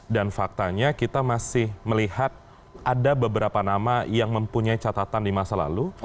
dan faktanya kita masih melihat ada beberapa nama yang mempunyai catatan di masa lalu